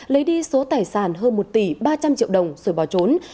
lấy đi số tài sản hơn một tỷ ba trăm linh triệu đồng rồi bỏ trốn